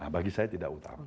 bagi saya tidak utama